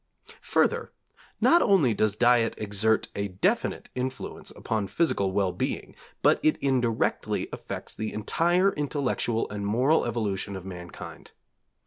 Further, not only does diet exert a definite influence upon physical well being, but it indirectly affects the entire intellectual and moral evolution of mankind.